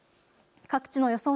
各地の予想